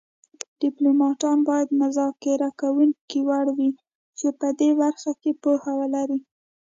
ډیپلوماتان باید مذاکره کوونکي وړ وي چې په دې برخه کې پوهه ولري